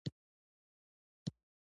افغانستان د طلا د پلوه ځانته ځانګړتیا لري.